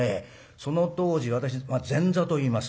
その当時私前座といいます。